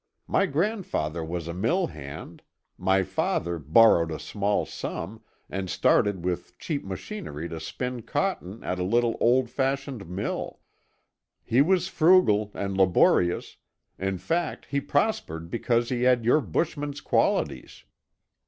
My grandfather was a mill hand; my father borrowed a small sum, and started with cheap machinery to spin cotton at a little old fashioned mill. He was frugal and laborious; in fact, he prospered because he had your bushman's qualities.